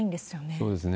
そうですね。